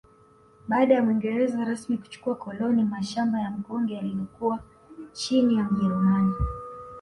Baada ya Muingereza rasmi kuchukua koloni mashamba ya Mkonge yaliyokuwa chini ya mjerumani